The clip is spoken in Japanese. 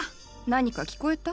何か聞こえた？